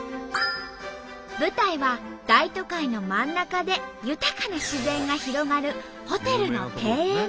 舞台は大都会の真ん中で豊かな自然が広がる